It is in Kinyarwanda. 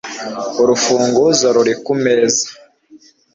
urufunguzo ruri kumeza